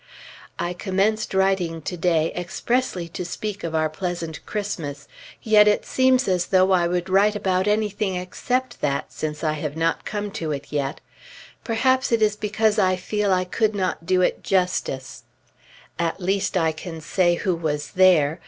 I commenced writing to day expressly to speak of our pleasant Christmas; yet it seems as though I would write about anything except that, since I have not come to it yet. Perhaps it is because I feel I could not do it justice. At least, I can say who was there.